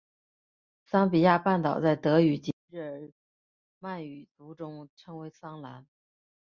桑比亚半岛在德语及日耳曼语族中称为桑兰。